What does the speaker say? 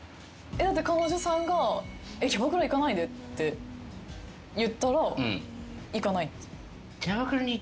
だって彼女さんがキャバクラ行かないでって言ったら行かない？